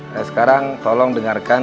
nah sekarang tolong dengarkan